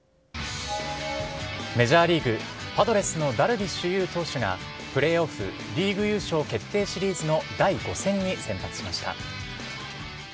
メジャーリーグ・パドレスのダルビッシュ有投手がプレーオフ、リーグ優勝決定シリーズの第５戦に先発しました。